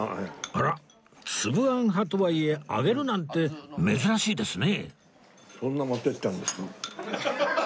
あらつぶあん派とはいえあげるなんて珍しいですね